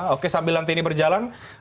oke sambil nanti ini berjalan